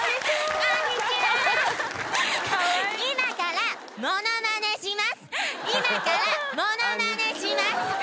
今からモノマネします！